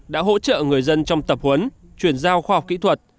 đã hỗ trợ người dân trong tập huấn chuyển giao khoa học kỹ thuật